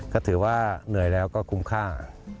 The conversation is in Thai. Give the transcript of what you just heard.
ก็ถือว่าเหนื่อยแล้วก็คุ้มค่า